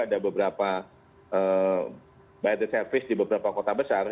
ada beberapa by the service di beberapa kota besar